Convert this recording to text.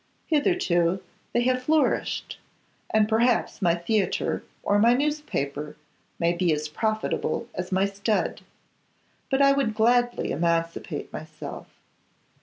Hitherto they have flourished, and perhaps my theatre, or my newspaper, may be as profitable as my stud. But I would gladly emancipate myself.